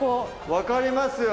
分かりますよ！